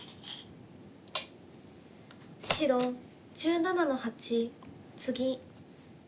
白１７の八ツギ。